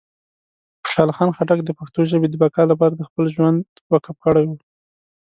خوشحال خان خټک د پښتو ژبې د بقا لپاره خپل ژوند وقف کړی و.